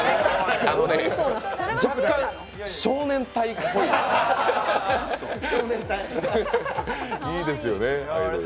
若干、少年隊っぽいですね。